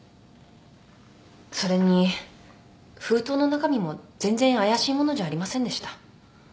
それに封筒の中身も全然怪しいものじゃありませんでした。